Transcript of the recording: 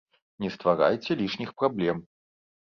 Не стварайце лішніх праблем.